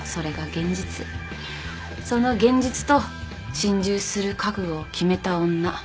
その現実と心中する覚悟を決めた女